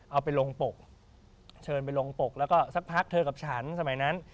เอาไปลงปกเชิญไปลงปกแล้วก็สักพักเธอกับฉันสมัยนั้น